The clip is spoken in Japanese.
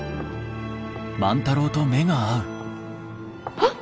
あっ！